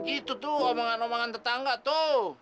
itu tuh omongan omongan tetangga tuh